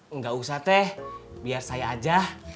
enggak usah teh biar saya aja